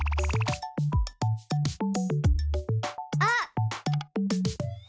あっ。